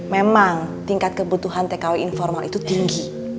memang tingkat kebutuhan tkw informal itu tinggi